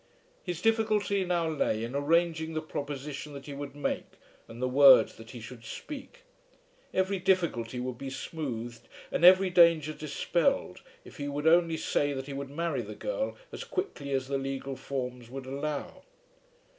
His difficulty now lay in arranging the proposition that he would make and the words that he should speak. Every difficulty would be smoothed and every danger dispelled if he would only say that he would marry the girl as quickly as the legal forms would allow.